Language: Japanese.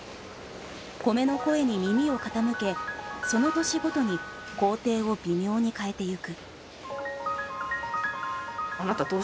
コメの声に耳を傾けその年ごとに工程を微妙に変えていく。